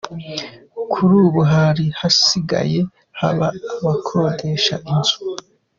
Kuri ubu hari hasigaye haba abakodesha inzu.